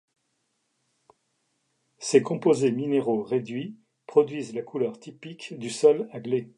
Ces composés minéraux réduits produisent la couleur typique du sol à gley.